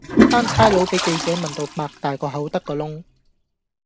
班差佬比記者問到擘大個口得個窿